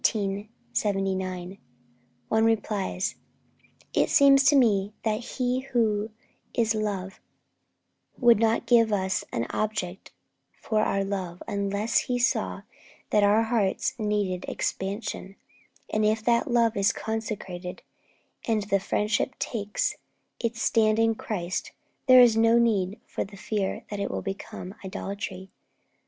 One replies: 'It seems to me that He who is love would not give us an object for our love unless He saw that our hearts needed expansion; and if the love is consecrated, and the friendship takes its stand in Christ, there is no need for the fear that it will become idolatry.